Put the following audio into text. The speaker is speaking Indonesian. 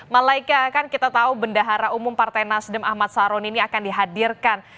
malaikat kan kita tahu bendahara umum partai nasdem ahmad saron ini akan dihadirkan